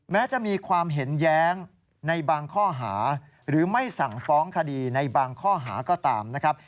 แม้จะมีความเห็นแย้งในบางข้อหาหรือไม่สั่งฟ้องคดีในบางข้อหาก็ตามนะครับ